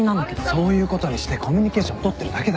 そういうことにしてコミュニケーション取ってるだけだよ。